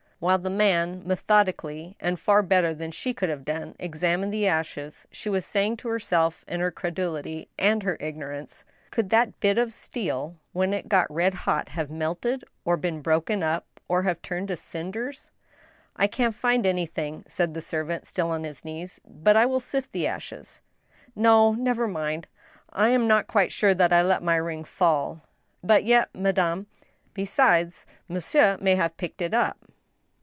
, While the man, methodically, and far better than she could have done, examined the ashes, she was saying to herself, in her credulity and her ignorance :Could that bit of steel, when it g^t red hot, have melted, or been broken up, or have turned to cinders ?"" I can't find anything," said the servant, still on his knees ;" but I will sift the ashes." " No — never mind. I am not quite sure that I let my ring fall." *• But yet, madame—" " Besides, monsieur may have picked it up.